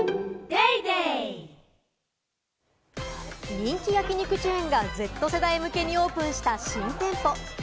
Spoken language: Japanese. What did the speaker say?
人気焼き肉チェーンがＺ世代向けにオープンした新店舗。